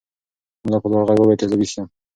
ملا په لوړ غږ وویل چې زه ویښ یم.